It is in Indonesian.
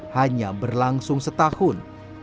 hanya berlangsung setahun